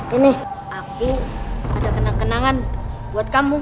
ini aku ada kena kenangan buat kamu